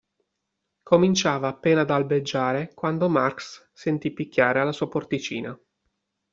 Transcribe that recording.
Cominciava appena ad albeggiare quando Marx sentì picchiare alla sua porticina.